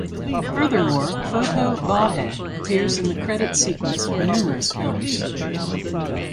Furthermore Photo vahe appears in the credit sequence of numerous films.